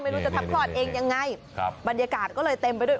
ไม่รู้จะทำคลอดเองยังไงครับบรรยากาศก็เลยเต็มไปด้วย